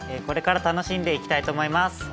これから楽しんでいきたいと思います！